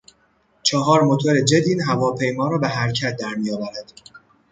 چهار موتور جت این هواپیما را به حرکت در میآورد.